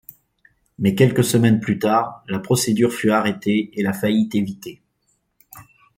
Mais quelques semaines plus tard, la procédure fut arrêtée et la faillite évitée.